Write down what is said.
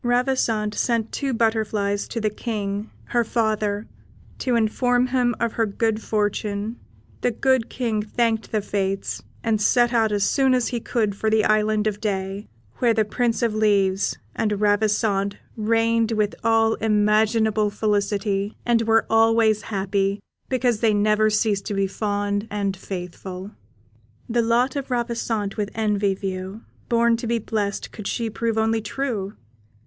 Ravissante sent two butterflies to the King, her father, to inform him of her good fortune; the good King thanked the Fates, and set out as soon as he could for the Island of Day, where the Prince of Leaves and Ravissante reigned with all imaginable felicity, and were always happy, because they never ceased to be fond and faithful. The lot of Ravissante with envy view Born to be blest could she prove only true.